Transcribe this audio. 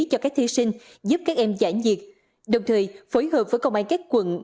cho các thí sinh giúp các em giải nhiệt đồng thời phối hợp với công an các quận